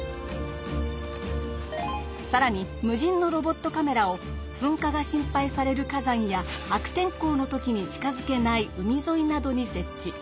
さらに無人のロボットカメラをふんかが心配される火山や悪天候の時に近づけない海ぞいなどにせっ置。